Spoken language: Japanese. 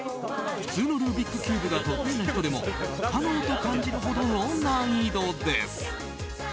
普通のルービックキューブが得意な人でも不可能と感じるほどの難易度です。